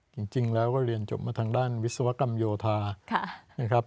จริงแล้วก็เรียนจบมาทางด้านวิศวกรรมโยธานะครับ